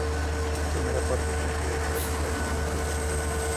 La primera parte consta de treinta y cinco capítulos.